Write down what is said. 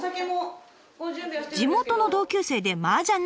地元の同級生でマージャン仲間。